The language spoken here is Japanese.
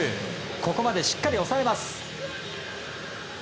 ここまでしっかり抑えます。